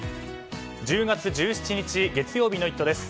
１０月１７日月曜日の「イット！」です。